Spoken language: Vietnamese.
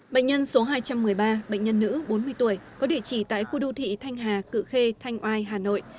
bệnh nhân số hai trăm một mươi ba bệnh nhân nữ bốn mươi tuổi có địa chỉ tại khu đô thị thanh hà cự khê thanh oai hà nội